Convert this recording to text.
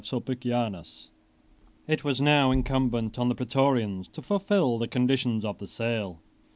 ] It was now incumbent on the Prætorians to fulfil the conditions of the sale.